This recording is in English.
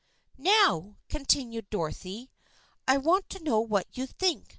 " Now," continued Dolly, " I want to know what you think.